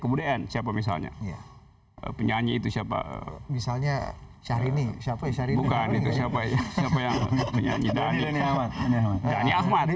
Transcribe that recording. kebudayaan siapa misalnya penyanyi itu siapa misalnya syahrini syafiq syari bukan itu siapa